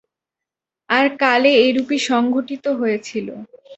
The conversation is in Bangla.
আর কালে এরূপই সংঘটিত হয়েছিল।